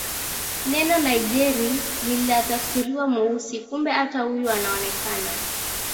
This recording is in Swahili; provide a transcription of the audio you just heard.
Neno Nigeri linatafsiriwa Mweusi Kumbe hata huyu anaonekana